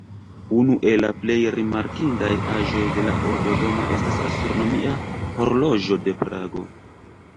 Unu el la plej rimarkindaj aĵoj de la Urbodomo estas astronomia horloĝo de Prago.